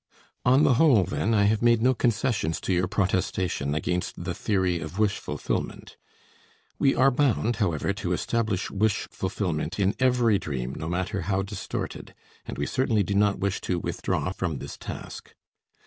On the whole, then, I have made no concessions to your protestation against the theory of wish fulfillment. We are bound, however, to establish wish fulfillment in every dream no matter how distorted, and we certainly do not wish to withdraw from this task.